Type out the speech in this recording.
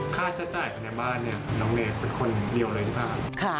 ค่าใช้จ่ายภายในบ้านน้องเนธเป็นคนเดียวเลยใช่ป่าว